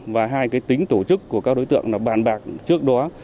và hai cái tính tổ chức của các đối tượng là bàn bạc trước đó